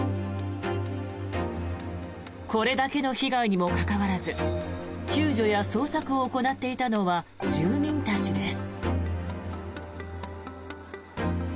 これだけの被害にもかかわらず救助や捜索を行っていたのは住民たちです。